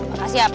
makasih ya pak